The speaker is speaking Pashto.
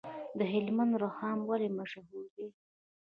د هلمند رخام ولې مشهور دی؟